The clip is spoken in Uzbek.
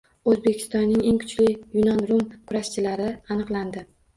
O‘zbekistonning eng kuchli yunon-rum kurashichilari aniqlandi